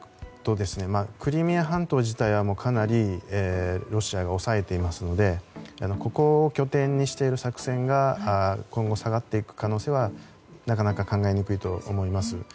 クリミア半島自体はかなりロシアが押さえていますのでここを拠点にしている作戦が今後、下がっていく可能性はなかなか考えにくいと思います。